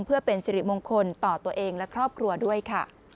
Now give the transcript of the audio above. เพื่อเป็นสิริมงคลต่อตัวเองและครอบครัวด้วยค่ะ